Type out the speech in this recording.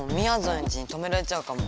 エンジに止められちゃうかも。